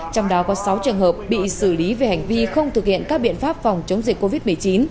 trong đó có sáu trường hợp bị xử lý về hành vi không thực hiện các biện pháp phòng chống dịch covid một mươi chín